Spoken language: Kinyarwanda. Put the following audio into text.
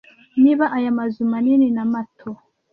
niba aya mazu manini na mato